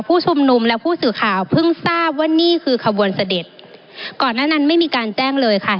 ผู้ชุมนุมและผู้สื่อข่าวเพิ่งทราบว่านี่คือขบวนเสด็จก่อนหน้านั้นไม่มีการแจ้งเลยค่ะ